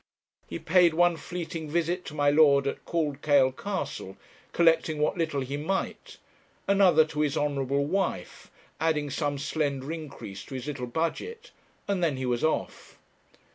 He paid one fleeting visit to my Lord at Cauldkail Castle, collecting what little he might; another to his honourable wife, adding some slender increase to his little budget, and then he was off.